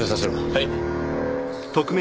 はい。